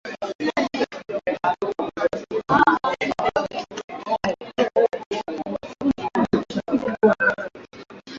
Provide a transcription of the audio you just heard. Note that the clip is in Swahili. weka kwenye beseni ili mafuta yashuke